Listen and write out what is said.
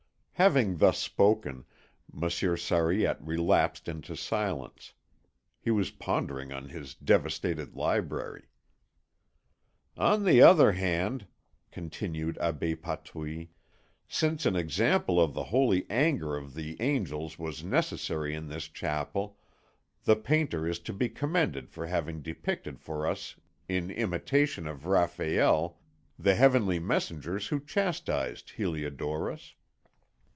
Having thus spoken, Monsieur Sariette relapsed into silence. He was pondering on his devastated library. "On the other hand," continued Abbé Patouille, "since an example of the holy anger of the angels was necessary in this chapel, the painter is to be commended for having depicted for us in imitation of Raphael the heavenly messengers who chastised Heliodorus.